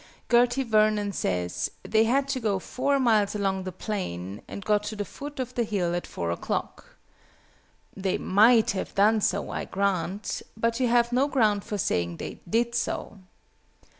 GERTY VERNON says "they had to go 4 miles along the plain, and got to the foot of the hill at 4 o'clock." They might have done so, I grant; but you have no ground for saying they did so.